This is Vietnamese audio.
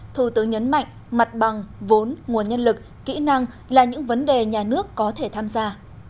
thủ tướng nhấn mạnh mặt bằng vốn nguồn nhân lực kỹ năng là những vấn đề nhà nước có thể tham gia